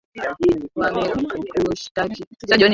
Wamekushtaki ili uhukumiwe